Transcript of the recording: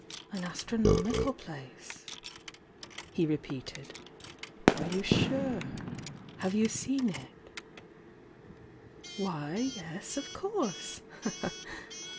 "An astronomical place?" he repeated. "Are you sure? Have you seen it?" "Why, yes, of course!"